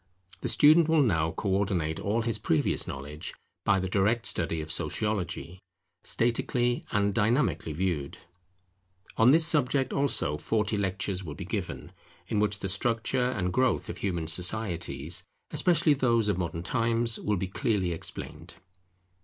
The student will now co ordinate all his previous knowledge by the direct study of Sociology, statically and dynamically viewed. On this subject also forty lectures will be given, in which the structure and growth of human societies, especially those of modern times, will be clearly explained.